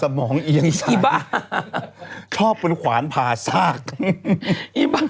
สมองเอียงสายชอบบุญควารภาชาสิโอ้โหอีบ่า